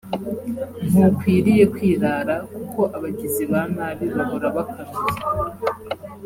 nta ukwiriye kwirara kuko abagizi ba nabi bahora bakanuye